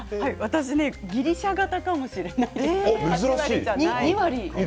私はギリシャ型かもしれないです。